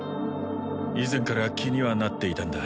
以前から気にはなっていたんだ